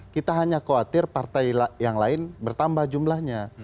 kita hanya khawatir partai yang lain bertambah jumlahnya